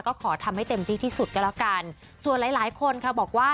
ก็ขอทำให้เต็มที่ที่สุดก็แล้วกันส่วนหลายหลายคนค่ะบอกว่า